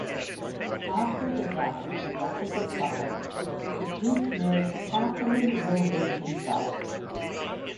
After the death of the Duchess of Suffolk, the Duke married Catherine Willoughby himself.